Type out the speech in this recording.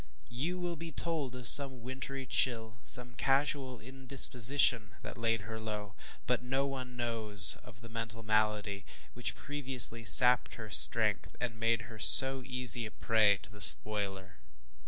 ŌĆØ You will be told of some wintry chill, some casual indisposition, that laid her low; but no one knows of the mental malady which previously sapped her strength, and made her so easy a prey to the spoiler.